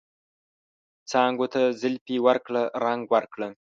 څانګو ته زلفې ورکړه ، رنګ ورکړه